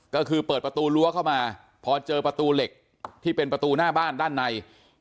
ก็คือเปิดประตูรั้วเข้ามาพอเจอประตูเหล็กที่เป็นประตูหน้าบ้านด้านใน